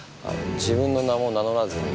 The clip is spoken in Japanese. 自分の名も名乗らずに。